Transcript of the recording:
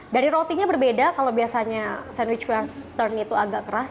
dari rotinya berbeda kalau biasanya sandwich western itu agak keras